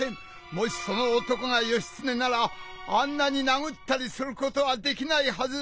もしその男が義経ならあんなになぐったりすることはできないはず！